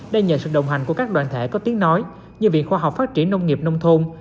đã nhờ sự đồng hành của các đoàn thể có tiếng nói như viện khoa học phát triển nông nghiệp nông thôn